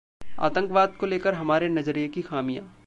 आतंकवाद को लेकर हमारे नजरिए की खामियां